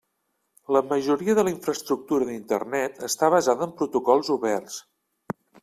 La majoria de la infraestructura d'Internet està basada en protocols oberts.